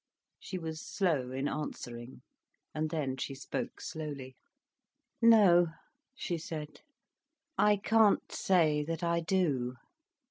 She was slow in answering, and then she spoke slowly. "No," she said. "I can't say that I do."